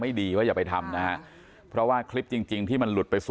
ไม่ดีไว้จะไปทำนะฮะเพราะว่าเคนจริงที่มันหลุดไปสู่